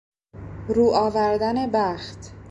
رو آوردن بخت